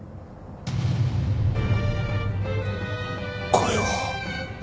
これは！